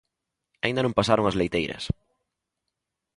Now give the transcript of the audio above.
Aínda non pasaron as leiteiras